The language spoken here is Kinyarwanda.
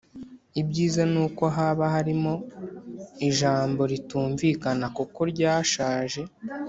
ibyiza ni uko haba harimo ijambo ritumvikana kuko ryashaje